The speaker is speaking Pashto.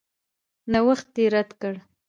نوښت یې رد کړ.